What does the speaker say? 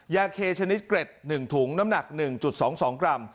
ยาเคชนิดเกร็ด๑ถุงน้ำหนัก๑๒๒กรัม